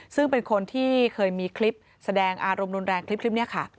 ซึ่งเป็นคนที่เคยมีคลิปแสดงอารมณ์รุนแรงคลิปนี้ค่ะ